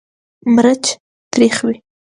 مرچ تریخ وي.